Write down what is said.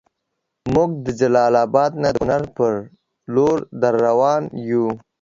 مونږ د جلال اباد نه د کونړ پر لور دروان یو